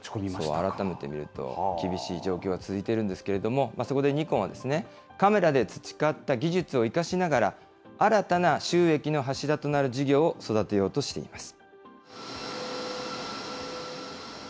改めて見ると、厳しい状況が続いているんですけども、そこでニコンは、カメラで培った技術を生かしながら、新たな収益の柱となる事業を育てようとしています。